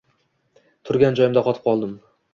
Turgan joyimda qotib qoldim